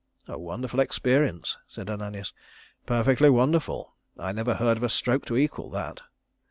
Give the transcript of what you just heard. "A wonderful experience," said Ananias. "Perfectly wonderful. I never heard of a stroke to equal that."